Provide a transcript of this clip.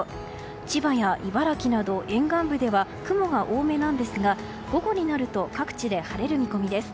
千葉や茨城など沿岸部では雲が多めなんですが午後になると各地で晴れる見込みです。